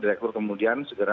direktur kemudian segera